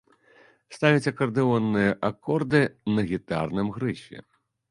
Ставяць акардэонныя акорды на гітарным грыфе.